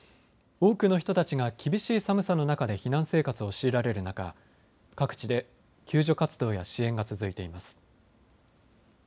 多くの人たちが厳しい寒さの中で避難生活を強いられる中、各地で救助活動や支援が続いています。